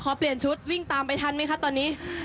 เปลี่ยนชุดวิ่งตามไปทันไหมคะตอนนี้